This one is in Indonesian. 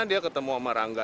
dia ketemu sama rangga